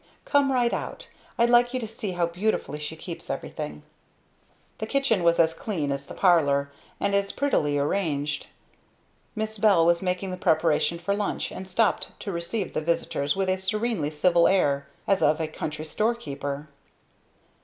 "Come right out; I'd like you to see how beautifully she keeps everything." The kitchen was as clean as the parlor; and as prettily arranged. Miss Bell was making her preparation for lunch, and stopped to receive the visitors with a serenely civil air as of a country store keeper.